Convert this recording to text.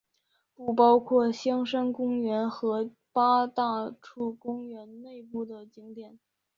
不包括香山公园和八大处公园内部的景点。